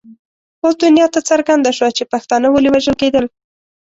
اوس دنیا ته څرګنده شوه چې پښتانه ولې وژل کېدل.